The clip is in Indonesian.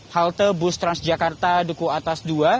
halte bus transjakarta duku atas ii